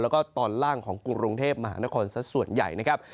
แล้วก็ตอนล่างของกรุงเทพมหานครสักส่วนใหญ่นะครับ